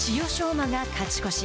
馬が勝ち越し。